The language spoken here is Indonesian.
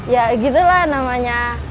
ya gitu lah namanya